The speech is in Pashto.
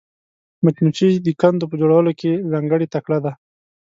مچمچۍ د کندو په جوړولو کې ځانګړې تکړه ده